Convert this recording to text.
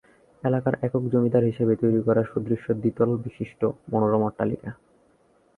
এলাকার একক জমিদার হিসেবে তৈরী করে সুদৃশ্য দ্বিতল বিশিষ্ট মনোরম অট্টালিকা।